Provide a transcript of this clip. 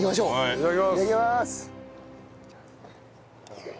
いただきます！